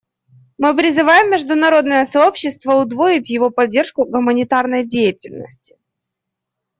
Мы призываем международное сообщество удвоить его поддержку гуманитарной деятельности.